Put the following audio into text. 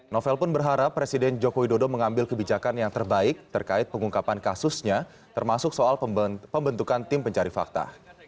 novel pun berharap presiden joko widodo mengambil kebijakan yang terbaik terkait pengungkapan kasusnya termasuk soal pembentukan tim pencari fakta